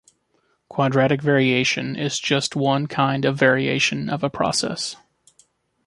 Quadratic variation is just one kind of variation of a process.